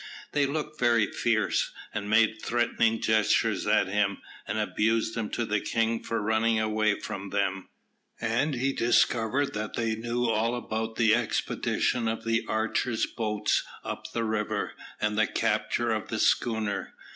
They looked very fierce, and made threatening gestures at him, and abused him to the king for running away from them, and he discovered that they knew all about the expedition of the Archer's boats up the river, and the capture of the schooner.